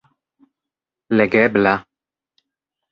Legebla?